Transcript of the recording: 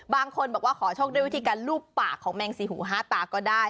บางคนบอกว่าขอโชคด้วยวิธีการรูปปากของแมงสี่หูห้าตาก็ได้